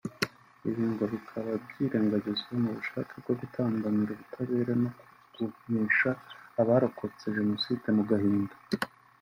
Ibi ngo bikaba byirengagizwa mu bushake bwo gutambamira ubutabera no kugumisha abarokotse Jenoside mu gahinda